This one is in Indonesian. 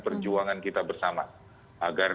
perjuangan kita bersama agar